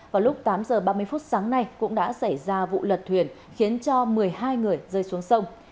vào lúc tám giờ ba mươi phút sáng nay cũng đã xảy ra vụ lật thuyền khiến cho một mươi hai người rơi xuống sông